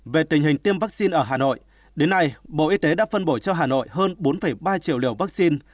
về tình hình tiêm vaccine ở hà nội đến nay bộ y tế đã phân bổ cho hà nội hơn bốn ba triệu liều vaccine